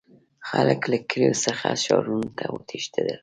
خلک له کلیو څخه ښارونو ته وتښتیدل.